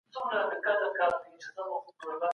کيفي شاخصونه تر کمي شاخصونو خورا ارزښتمن دي.